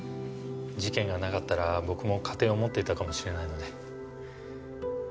事件がなかったら僕も家庭を持っていたかもしれないので。